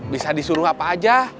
bisa disuruh apa aja